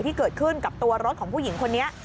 ที่เกิดขึ้นกับตัวรถของผู้หญิงคนนี้